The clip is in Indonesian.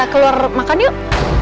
kita keluar makan yuk